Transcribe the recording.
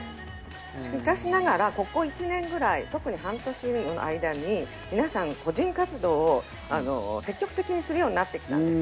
しかしながらここ１年くらい特に半年の間に皆さん個人活動を、積極的にするようになってきたんです。